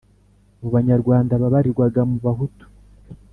mu banyarwanda babarirwaga mu bahutu.